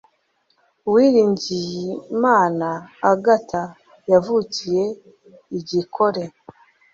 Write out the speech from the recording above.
uwiringiyimana agathe yavukiye i gikore